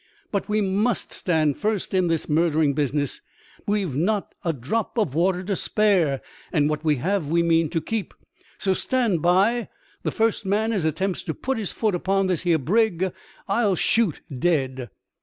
But we must stand first in this murdering business. We've got not a drop of water to spare, and what we have we mean to keep; so stand by! the first man as attempts to put his foot upon this here brig I'll shoot dead.